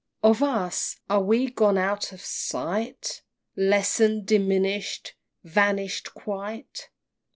XXXIV. Of us! are we gone out of sight? Lessen'd! diminish'd! vanish'd quite!